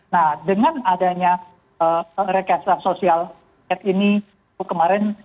nah dengan adanya rekestra sosial ini kemarin